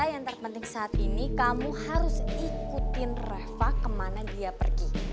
yang terpenting saat ini kamu harus ikutin reva kemana dia pergi